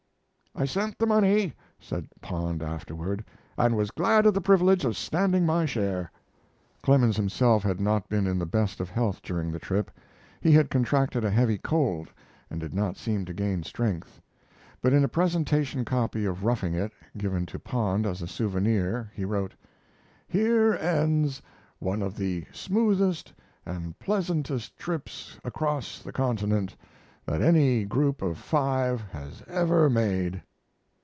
"I sent the money," said Pond afterward, "and was glad of the privilege of standing my share." Clemens himself had not been in the best of health during the trip. He had contracted a heavy cold and did not seem to gain strength. But in a presentation copy of 'Roughing It', given to Pond as a souvenir, he wrote: "Here ends one of the smoothest and pleasantest trips across the continent that any group of five has ever made."